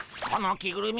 着ぐるみ